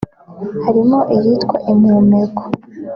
harimo iyitwa Impumeko